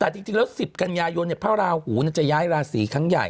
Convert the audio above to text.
แต่จริงแล้ว๑๐กันยายนพระราหูจะย้ายราศีครั้งใหญ่